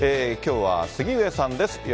きょうは杉上さんです。